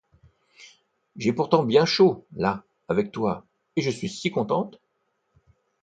J'ai pourtant bien chaud, là, avec toi, et je suis si contente!